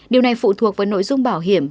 điều này phụ thuộc với nội dung bảo hiểm